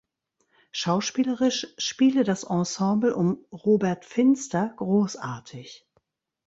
Schauspielerisch spiele das Ensemble um Robert Finster großartig.